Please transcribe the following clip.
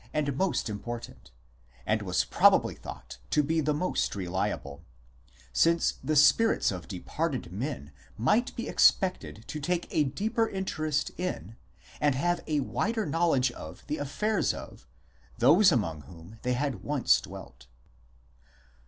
124 NECROMANCY 125 and most important, and was probably thought to be the most reliable, since the spirits of departed men might be expected to take a deeper interest in, and have a wider knowledge of the affairs of, those among whom they had once dwelt.